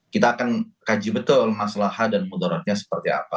kita akan kaji betul masalah h dan mudoratnya seperti apa